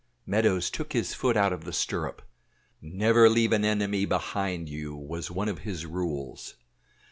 Meadows took his foot out of the stirrup. Never leave an enemy behind you, was one of his rules.